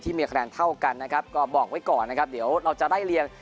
มีคะแนนเท่ากันนะครับก็บอกไว้ก่อนนะครับเดี๋ยวเราจะไล่เลี่ยง